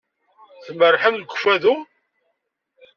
Tmerrḥem deg Ukfadu?